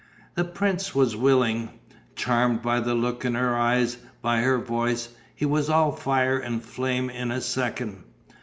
The prince was willing, charmed by the look in her eyes, by her voice; he was all fire and flame in a second.